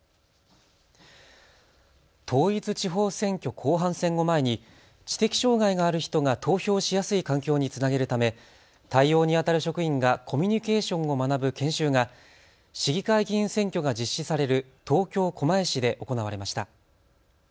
統一地方選挙後半戦を前に知的障害がある人が投票しやすい環境につなげるため対応にあたる職員がコミュニケーションを学ぶ研修が市議会議員選挙が実施される東京狛江市で行われました。